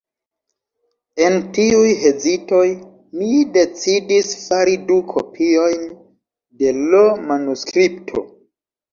En tiuj hezitoj, mi decidis fari du kopiojn de l' manuskripto.